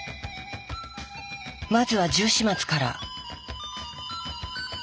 まずはジュウシマツから。